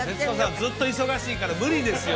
ずっと忙しいから無理ですよ